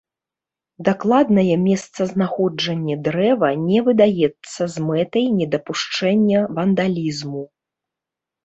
Дакладнае месцазнаходжанне дрэва не выдаецца з мэтай недапушчэння вандалізму.